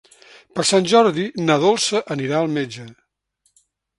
Per Sant Jordi na Dolça anirà al metge.